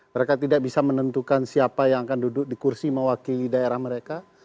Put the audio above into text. mereka tidak bisa menentukan siapa yang akan duduk di kursi mewakili daerah mereka